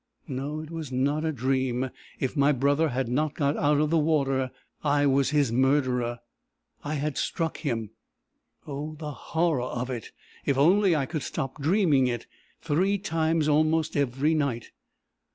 No, it was not a dream! If my brother had not got out of the water, I was his murderer! I had struck him! Oh, the horror of it! If only I could stop dreaming it three times almost every night!"